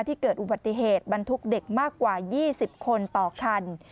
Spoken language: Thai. เกิดอุบัติเหตุบรรทุกเด็กมากกว่า๒๐คนต่อคัน